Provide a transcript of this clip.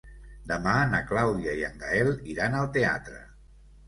Demà na Clàudia i en Gaël iran al teatre.